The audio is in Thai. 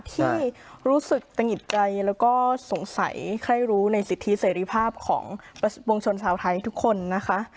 ที่รู้สึกตะหิดใจแล้วก็สงสัยใครรู้ในสิทธิเสรีภาพของวงชนชาวไทยทุกคนนะคะ